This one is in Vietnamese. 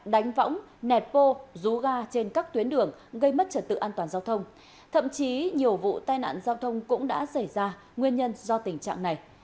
đánh võng nẹt bô rú ga trên các tuyến đường gây mất trật tự an toàn giao thông thậm chí nhiều vụ tai nạn giao thông cũng đã xảy ra nguyên nhân do tình trạng này